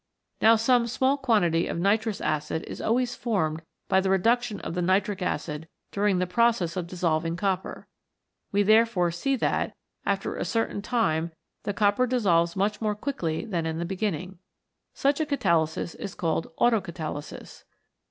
Now some small quantity of nitrous acid is always formed by the reduction of the nitric acid during the process of dissolving copper. We therefore see that, after a certain time, the copper dissolves much more quickly than in the beginning. Such a catalysis is called Autocatalysis.